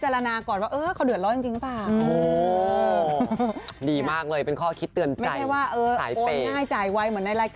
แล้วเวลาจะให้ใครไม่ใช่เขาบอก